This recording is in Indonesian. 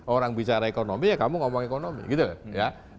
orang bicara ekonomi ya kamu ngomong ekonomi gitu kan